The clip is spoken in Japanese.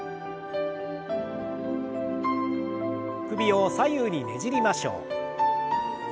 首を左右にねじりましょう。